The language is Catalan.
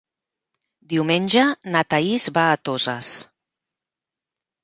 Diumenge na Thaís va a Toses.